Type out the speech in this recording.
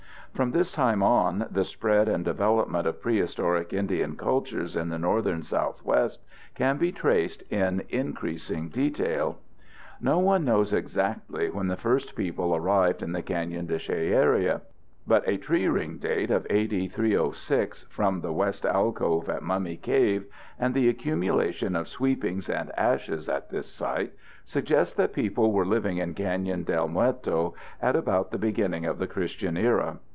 From this time on, the spread and development of prehistoric Indian cultures in the northern Southwest can be traced in increasing detail. No one knows exactly when the first people arrived in the Canyon de Chelly area. But a tree ring date of A.D. 306 from the West Alcove at Mummy Cave and the accumulation of sweepings and ashes at this site suggest that people were living in Canyon del Muerto at about the beginning of the Christian era.